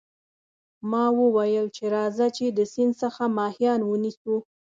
ما وویل چې راځه چې د سیند څخه ماهیان ونیسو.